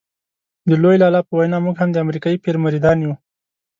د لوی لالا په وینا موږ هم د امریکایي پیر مریدان یو.